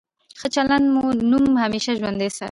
ښه چلند مو نوم همېشه ژوندی ساتي.